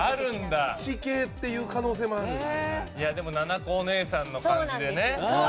でもななこおねいさんの感じでね。